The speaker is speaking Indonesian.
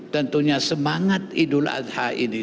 tentunya semangat idul adha ini